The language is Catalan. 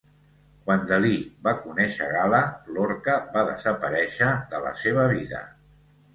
Quan Dalí va conèixer Gala, Lorca va desaparèixer de la seva vida.